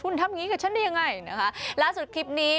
ลาสุดคลิปนี้